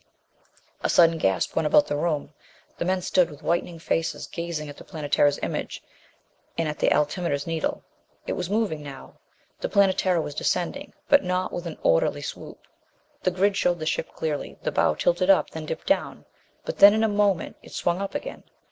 A sudden gasp went about the room. The men stood with whitening faces, gazing at the Planetara's image. And at the altimeter's needle. It was moving now. The Planetara was descending. But not with an orderly swoop. The grid showed the ship clearly. The bow tilted up, then dipped down. But then in a moment it swung up again.